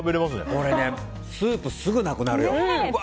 これ、スープすぐなくなるよ。